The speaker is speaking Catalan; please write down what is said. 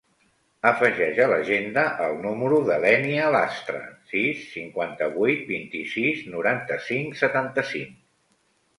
Afegeix a l'agenda el número de l'Ènia Lastra: sis, cinquanta-vuit, vint-i-sis, noranta-cinc, setanta-cinc.